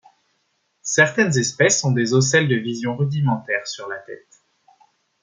Certaines espèces ont des ocelles de vision rudimentaire sur la tête.